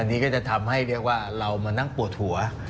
อันนี้ก็จะทำให้เรามันนั่งปวดหัว